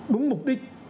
đúng mục đích